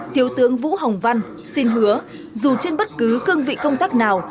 thiếu tướng vũ hồng văn xin hứa dù trên bất cứ cương vị công tác nào